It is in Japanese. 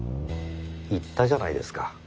言ったじゃないですか